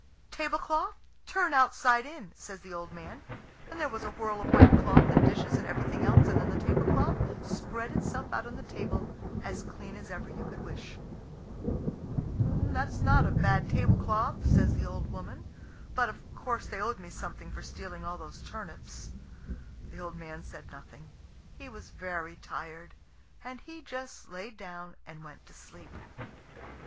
"Tablecloth, turn outside in!" says the old man; and there was a whirl of white cloth and dishes and everything else, and then the tablecloth spread itself out on the table as clean as ever you could wish. "That's not a bad tablecloth," says the old woman; "but, of course, they owed me something for stealing all those turnips." The old man said nothing. He was very tired, and he just laid down and went to sleep.